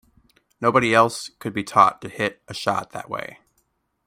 Nobody else could be taught to hit a shot that way.